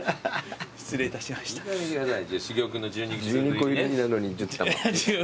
１２個入りなのにじゅったま。